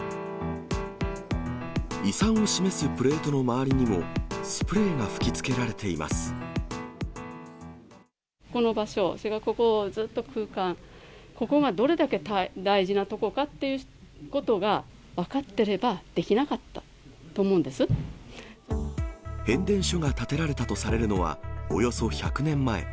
遺産を示すプレートの周りにも、この場所、ずっと空間、ここがどれだけ大事なところかっていうことが分かってればできな変電所が建てられたとされるのは、およそ１００年前。